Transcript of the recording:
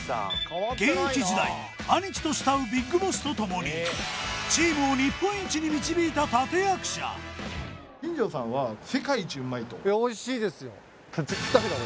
現役時代兄貴と慕うＢＩＧＢＯＳＳとともにチームを日本一に導いた立役者新庄さんは世界一うまいといやおいしいですよ